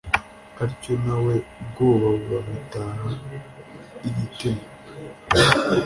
atyo nawe ubwoba buramutaha igitima